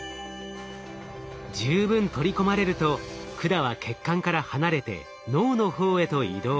十分取り込まれると管は血管から離れて脳の方へと移動。